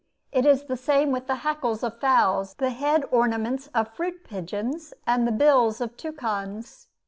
It is the same with the hackles of fowls, the head ornaments of fruit pigeons, and the bills of toucans.